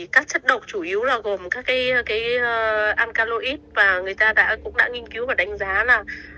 các chất độc chủ yếu là gồm các cái ankaloid và người ta đã cũng đã nghiên cứu và đánh giá là